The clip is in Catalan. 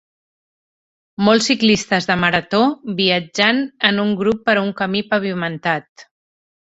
Molts ciclistes de marató viatjant en grup per un camí pavimentat.